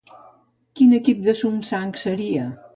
Quin equip de Sunsang seria?